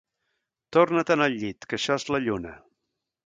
Torna-te'n al llit, que això és la lluna.